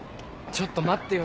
ちょっと待ってよ